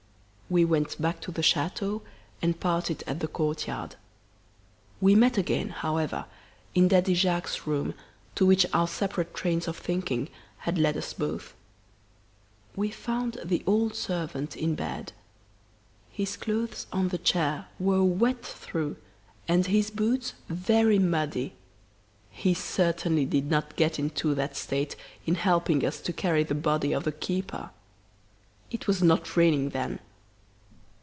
"We went back to the chateau and parted at the courtyard. We met again, however, in Daddy Jacques's room to which our separate trains of thinking had led us both. We found the old servant in bed. His clothes on the chair were wet through and his boots very muddy. He certainly did not get into that state in helping us to carry the body of the keeper. It was not raining then.